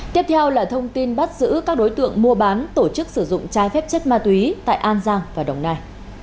tiếp theo là thông tin bắt giữ các đối tượng mua bán tổ chức sử dụng trái phép chất ma túy tại an giang và đồng nai